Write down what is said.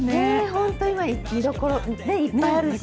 本当に今、見どころ、いっぱいあるし。